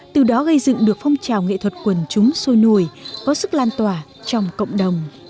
từ đó gây dựng được phong trào nghệ thuật quần chúng sôi nổi có sức lan tỏa trong cộng đồng